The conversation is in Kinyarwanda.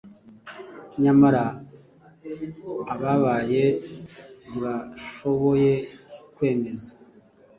Nyamara abababaye ntibashoboye kwemeza